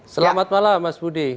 selamat malam mas budi